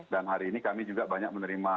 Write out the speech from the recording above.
dan hari ini kami juga banyak menerima